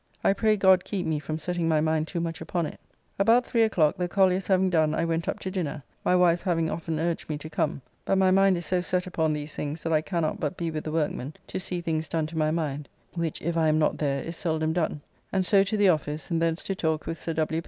I pray God keep me from setting my mind too much upon it. About 3 o'clock the colliers having done I went up to dinner (my wife having often urged me to come, but my mind is so set upon these things that I cannot but be with the workmen to see things done to my mind, which if I am not there is seldom done), and so to the office, and thence to talk with Sir W.